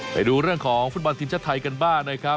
ไปดูเรื่องของฟุตบอลทีมชาติไทยกันบ้างนะครับ